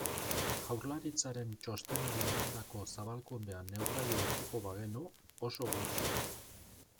Jaurlaritzaren txostenari emandako zabalkundea neurgailu hartuko bagenu, oso gutxi.